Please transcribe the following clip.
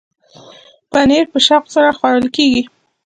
پنېر په شوق سره خوړل کېږي.